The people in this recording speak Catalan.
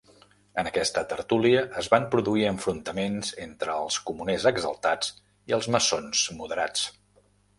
En aquesta tertúlia es van produir enfrontaments entre els comuners exaltats i els maçons moderats.